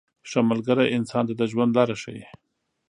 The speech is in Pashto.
• ښه ملګری انسان ته د ژوند لاره ښیي.